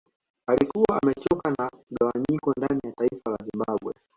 Alikuwa amechoka na mgawanyiko ndani ya taifa la Zimbabwe